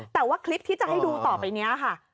แต่ว่าคลิปที่จะให้ดูต่อไปนี้ค่ะ